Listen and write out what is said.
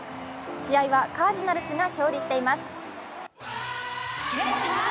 試合はカージナルスが勝利しています。